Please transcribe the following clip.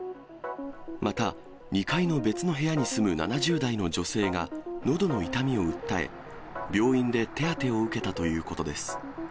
また、２階の別の部屋に住む７０台の女性がのどの痛みを訴え、病院で手当てを受けたということです。